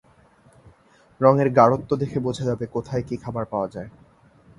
রঙের গাঢ়ত্ব থেকে বোঝা যাবে কোথায় কি খাবার পাওয়া যায়।